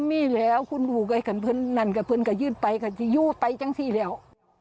มีแล้วคุณดูใกล้กันเพื่อนนั่นกับเพื่อนก็ยื่นไปก็จะอยู่ไปจังสิแล้ว